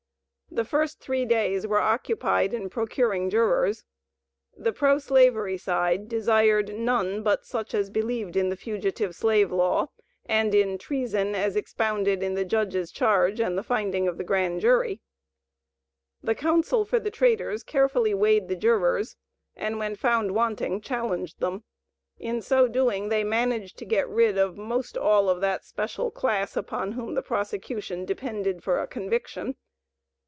The first three days were occupied in procuring jurors. The pro slavery side desired none but such as believed in the Fugitive Slave law and in "Treason" as expounded in the Judge's charge and the finding of the Grand Jury. The counsel for the "Traitors" carefully weighed the jurors, and when found wanting challenged them; in so doing, they managed to get rid of most all of that special class upon whom the prosecution depended for a conviction.